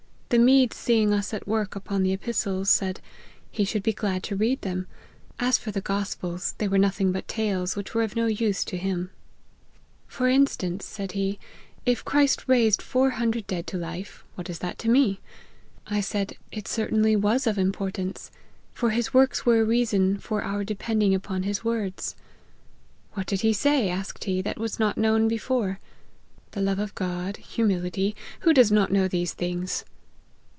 The Mede seeing us at work upon the epistles, said, ' he should be glad to read them ; as for the gospels, they were nothing but tales, which were of no use to him LIFE OF HENRY MARTYN. 153 for instance,' said he, ' if Christ raised four hundred dead to life, what is that to. me ?' I said, ' It cer tainly was of importance ; for his works were a reason for our depending upon his words.' ' What did he say,' asked he, ' that was not known before : the love of God, humility, who does not know these things